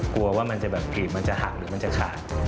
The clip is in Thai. กลัวว่ามันจะแบบกรีดมันจะหักหรือมันจะขาด